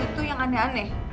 itu yang aneh aneh